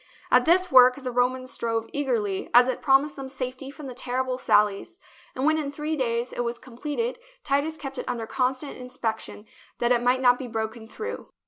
At this work the Romans strove eagerly, as it promised them safety from the terrible sallies; and when in three days it was completed, Titus kept it under constant in spection that it might not be broken through.